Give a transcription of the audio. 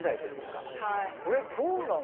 これどうなんですかね？